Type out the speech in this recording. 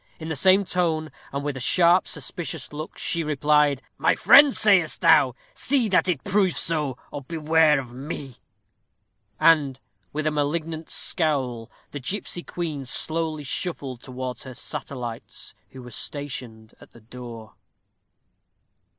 In the same tone, and with a sharp, suspicious look, she replied, "My friend, sayest thou? See that it prove so, or beware of me." And, with a malignant scowl, the gipsy queen slowly shuffled towards her satellites, who were stationed at the door.